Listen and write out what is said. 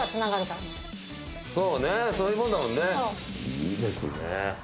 いいですね。